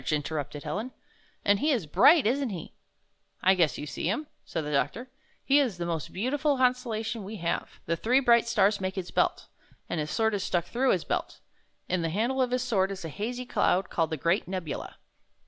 interrupted Helen. "And he is bright, isn't he?" "I guess you see him," said the doctor. "He is the most beautiful constellation we 16 have. The three bright stars make his belt, and his sword is stuck through his belt. In the handle of his sword is a hazy cloud called the Great Nebula.